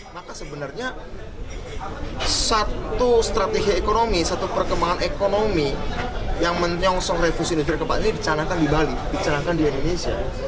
maka sebenarnya satu strategi ekonomi satu perkembangan ekonomi yang menyongsong revolusi industri keempat ini dicanangkan di bali dicanangkan di indonesia